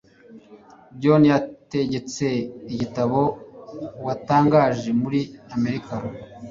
john yategetse igitabo uwatangaje muri amerika